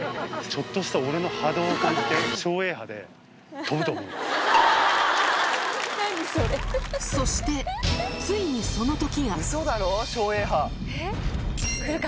ちょっとした俺の波動を感じて、照英波で、そして、ついにそのときが。